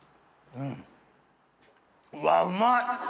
うわうまい！